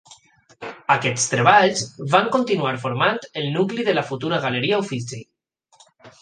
Aquests treballs van continuar formant el nucli de la futura Galeria Uffizi.